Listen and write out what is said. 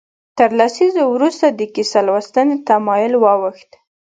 تر لسیزو وروسته د کیسه لوستنې تمایل واوښت.